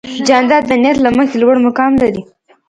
جانداد د نیت له مخې لوړ مقام لري.